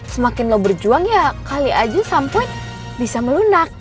semakin lo berjuang ya kali aja sampai bisa melunak